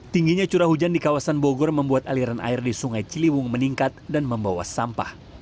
tingginya curah hujan di kawasan bogor membuat aliran air di sungai ciliwung meningkat dan membawa sampah